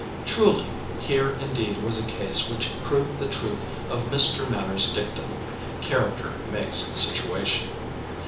Truly, here indeed was a case which proved the truth of Mr. Manners' dictum, Character makes situation.